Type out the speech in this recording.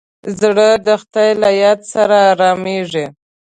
زړه د خدای له یاد سره ارامېږي.